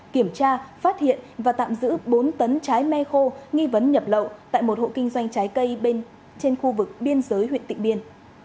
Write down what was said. kiểm tra phát hiện và tạm giữ bốn tấn trái me khô nghi vấn nhập lậu tại một hộ kinh doanh trái cây trên khu vực biên giới huyện tịnh biên